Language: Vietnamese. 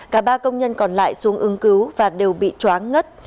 cả ba công nhân còn lại xuống ứng cứu và đều bị chóng ngất